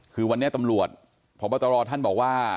คือวันนี้ตำรวจพบตรท่านบอกว่า